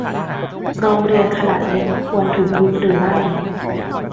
โรงเรียนขนาดเล็ก ควรถูกยุบหรือไม่